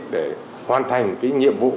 để hoàn thành cái nhiệm vụ